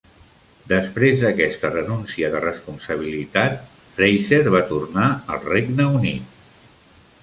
Després d'aquesta renuncia de responsabilitat, Fraser va tornar al Regne Unit.